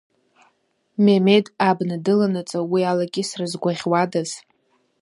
Мемед абна дыланаҵы уи илакьысра згәаӷьуадаз.